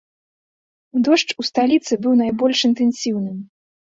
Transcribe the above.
Дождж у сталіцы быў найбольш інтэнсіўным.